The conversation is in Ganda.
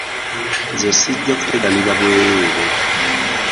Nze sijja kuteganira bwerere.